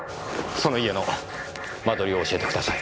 その家の間取りを教えてください。